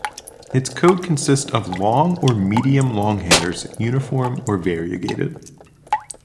Its coat consist of long or medium-long hairs, uniform or variegated.